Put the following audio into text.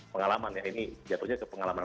pengalaman ya ini jatuhnya ke pengalaman